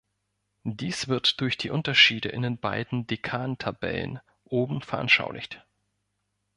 Dies wird durch die Unterschiede in den beiden "Dekan"-Tabellen oben veranschaulicht.